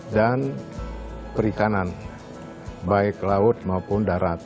dan perikanan baik laut maupun darat